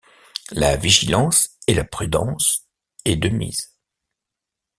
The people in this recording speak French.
La vigilance et la prudence est de mise.